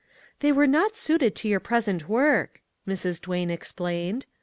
" They were not suited to your present work," Mrs. Duane explained.